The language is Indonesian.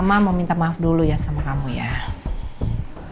mereka gak bisa tek mrs meir